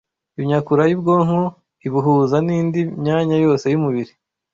Imyakura y’ubwonko ibuhuza n’indi myanya yose y’umubiri